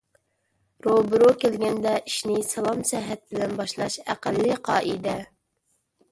روبىرو كەلگەندە ئىشنى سالام - سەھەت بىلەن باشلاش ئەقەللىي قائىدە.